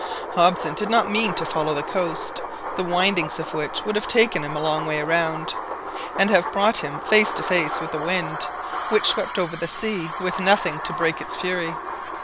Hobson did not mean to follow the coast, the windings of which would have taken him a long way round, and have brought him face to face with the wind, which swept over the sea with nothing to break its fury.